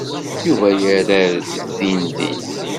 Yuba yerra-d dindin.